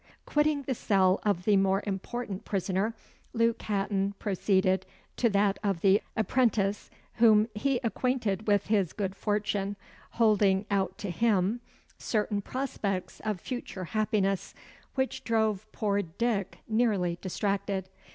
Quitting the cell of the more important prisoner, Luke Hatton proceeded to that of the apprentice, whom he acquainted with his good fortune, holding out to him certain prospects of future happiness, which drove poor Dick nearly distracted.